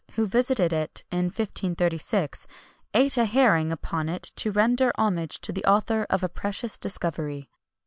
who visited it in 1536, eat a herring upon it to render homage to the author of a precious discovery.